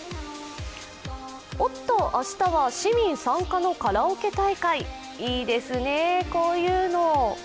おっと、明日は市民参加のカラオケ大会、いいですね、こういうの。